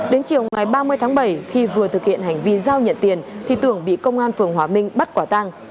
đến chiều ngày ba mươi tháng bảy khi vừa thực hiện hành vi giao nhận tiền thì tưởng bị công an phường hóa minh bắt quả tang